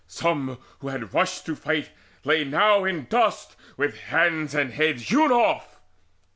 Some, who had rushed to fight, Lay now in dust, with hands and heads hewn off.